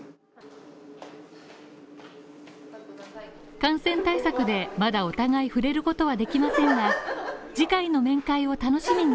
感染対策で、まだお互い触れることはできませんが次回の面会を楽しみに。